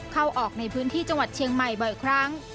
เข้าออกในพื้นที่จังหวัดเชียงใหม่บ่อยครั้ง